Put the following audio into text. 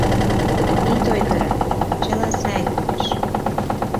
Ит ойгыро, чыла сай лиеш.